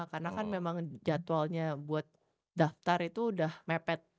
karena kan memang jadwalnya buat daftar itu udah mepet